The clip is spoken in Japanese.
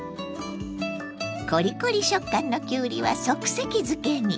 コリコリ食感のきゅうりは即席漬けに。